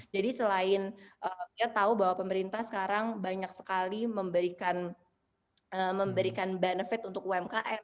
selain kita tahu bahwa pemerintah sekarang banyak sekali memberikan benefit untuk umkm